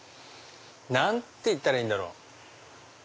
何て言ったらいいんだろう？